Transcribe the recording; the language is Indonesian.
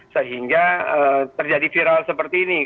sehingga terjadi viral sebetulnya